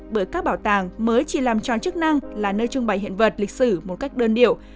bởi các bảo tàng mới chỉ làm tròn chức năng là nơi trưng bày hiện vật lịch sử một cách đơn điệu